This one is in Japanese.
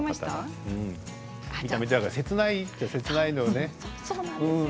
切ないといえば切ないのよね。